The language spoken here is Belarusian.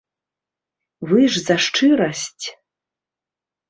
Вы ж за шчырасць?